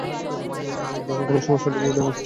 জানো তোমার সমস্যাটা কী, রামেসিস?